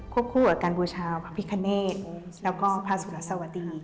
คู่กับการบูชาพระพิคเนธแล้วก็พระสุรสวดี